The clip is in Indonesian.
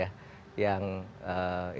yang itu dibangga bangga